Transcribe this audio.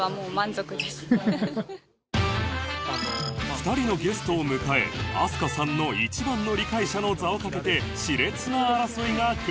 ２人のゲストを迎え飛鳥さんの一番の理解者の座をかけて熾烈な争いが繰り広げられた